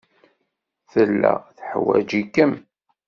Tella teḥwaj-ikem.